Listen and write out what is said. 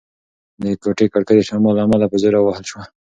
د کوټې کړکۍ د شمال له امله په زوره ووهل شوه.